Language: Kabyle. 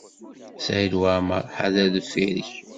Saɛid Waɛmaṛ, ḥader deffir-k!